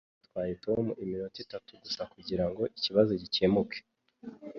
Byatwaye Tom iminota itatu gusa kugirango ikibazo gikemuke